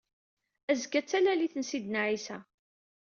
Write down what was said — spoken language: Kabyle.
Azekka d Talalit n Sidna ɛisa.